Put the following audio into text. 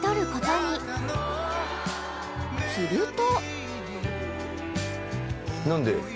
［すると］